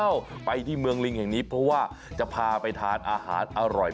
ไปที่เมืองลิงแห่งนี้เพราะว่าจะพาไปทานอาหารอร่อย